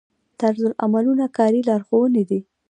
طرزالعملونه کاري لارښوونې دي